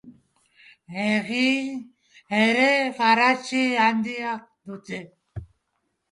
Begiek ere garrantzi handia dute.